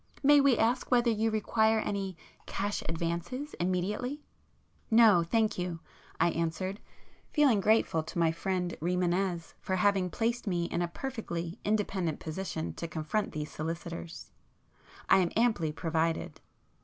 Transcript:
May we ask whether you require any cash advances immediately?" "No, thank you,"—I answered, feeling grateful to my friend Rimânez for having placed me in a perfectly independent position to confront these solicitors—"I am amply provided."